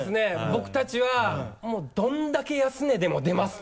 僕たちは「どれだけ安値でも出ます」と。